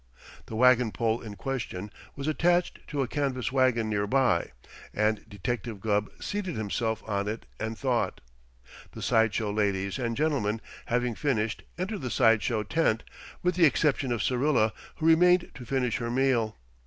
The wagon pole in question was attached to a canvas wagon near by, and Detective Gubb seated himself on it and thought. The side show ladies and gentlemen, having finished, entered the side show tent with the exception of Syrilla, who remained to finish her meal.